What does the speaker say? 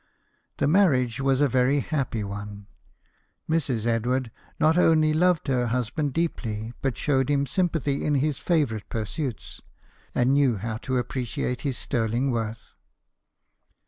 The marriage was a very happy one. Mrs. Edward not only loved her husband deeply, but showed him sympathy in his favourite pursuits, and knew how to appreciate his sterling worth.